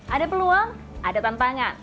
ada peluang ada tantangan